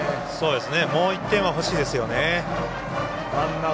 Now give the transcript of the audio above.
もう１点は欲しいですよね。